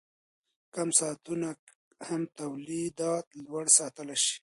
کم ساعتونه هم تولیدیت لوړ ساتلی شي.